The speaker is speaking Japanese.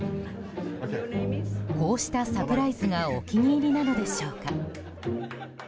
こうしたサプライズがお気に入りなのでしょうか。